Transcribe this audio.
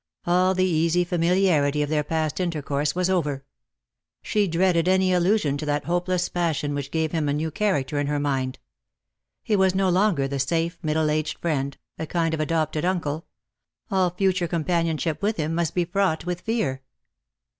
All the easy familiarity of their past intercourse waa Lost for Love. 147 over. She dreaded any allusion to that hopeless passion which, gave him a new character in her mind. He was no longer the eafe middle aged friend, a kind of adopted uncle. All future companionship with him must be fraught with fear.